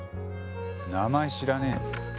名前知らねえもん。